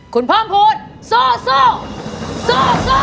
คุณพร่อมพูดสู้